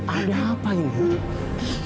ada apa ini